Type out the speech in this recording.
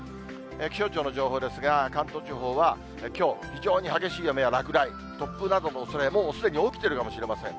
気象庁の情報ですが、関東地方はきょう、非常に激しい雨や落雷、突風などのおそれ、もうすでに起きているかもしれません。